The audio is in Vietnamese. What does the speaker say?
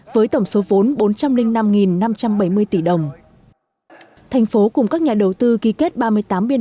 với tổng số vốn bốn trăm linh năm năm trăm bảy mươi tỷ đồng thành phố cùng các nhà đầu tư ký kết ba mươi tám biên